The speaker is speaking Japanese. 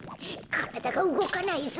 からだがうごかないぞ。